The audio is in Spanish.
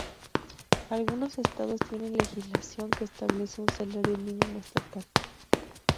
Algunos estados tienen legislación que establece un salario mínimo estatal.